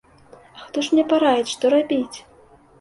А хто ж мне параіць, што рабіць?